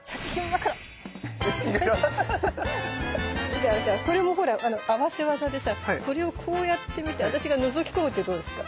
じゃあじゃあこれもほら合わせ技でさこれをこうやってみて私がのぞき込むってどうですか？